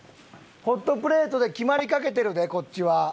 ホットプレートで決まりかけてるでこっちは。